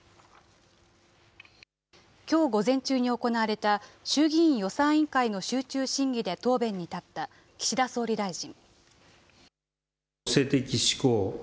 きょう午前中に行われた、衆議院予算委員会の集中審議で答弁に立った岸田総理大臣。